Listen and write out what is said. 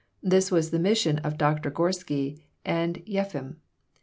This was the mission of Doctor Gorsky and Yeffim.